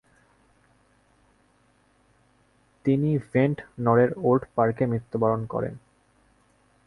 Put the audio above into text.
তিনি ভেন্টনরের ওল্ড পার্কে মৃত্যুবরণ করেন।